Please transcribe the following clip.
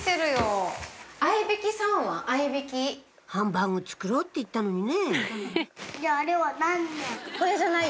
ハンバーグ作ろうって言ったのにね